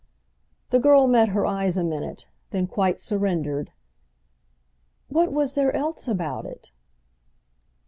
The girl met her eyes a minute, then quite surrendered. "What was there else about it?"